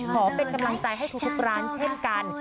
ขอเป็นกำลังใจให้ทุกร้านเช่นกัน